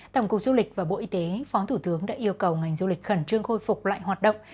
tổng cục du lịch và bộ y tế phó thủ tướng đã yêu cầu ngành du lịch khẩn trương khôi phục lại hoạt động